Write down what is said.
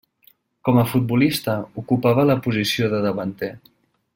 Com a futbolista, ocupava la posició de davanter.